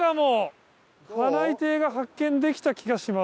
カナイテイが発見できた気がします。